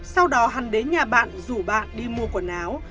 sau đó hắn đến nhà bạn rủ bạn đi mua quần áo